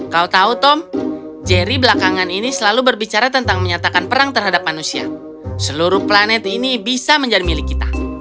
kau tahu tom jerry belakangan ini selalu berbicara tentang menyatakan perang terhadap manusia seluruh planet ini bisa menjadi milik kita